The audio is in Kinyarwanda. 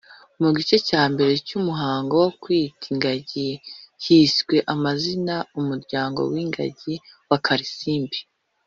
Mu gice cya mbere cy’umuhango wo kwita ingagi hiswe amazina umuryango w’ingagi wa Karisimbi